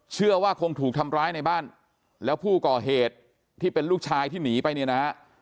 เชื่อว่าคงถูกทำร้ายในบ้านแล้วผู้ก่อเหตุที่เป็นลูกชายที่หนีไปเนี่ยนะฮะ